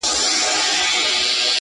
دادی اوس هم کومه! بيا کومه! بيا کومه!